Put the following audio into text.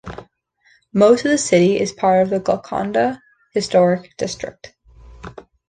Most of the city is part of the Golconda Historic District.